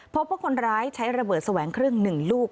พบว่าคนร้ายใช้ระเบิดแสวงครึ่ง๑ลูก